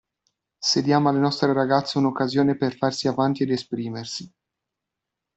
Se diamo alle nostre ragazze un'occasione per farsi avanti ed esprimersi.